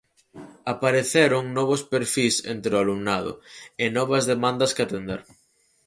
Apareceron novos perfís entre o alumnado, e novas demandas que atender.